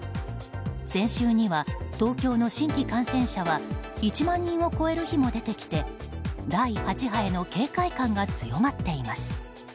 先週には東京の新規感染者は１万人を超える日も出てきて第８波への警戒感が強まっています。